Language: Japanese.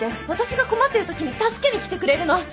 私が困ってる時に助けに来てくれるの。